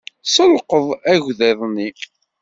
Selqeḍ agḍiḍ-nni.